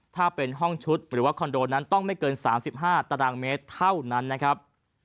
ถ้าเป็นห้องชุดหรือว่าคอนโดนั้นต้องไม่เกิน๓๕ตารางเมตรเท่านั้นนะครับ